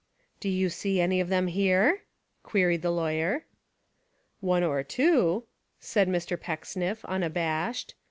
"Do you see any of them here?" queried the lawyer. "One or two," said Mr. Pecksniff unabashed.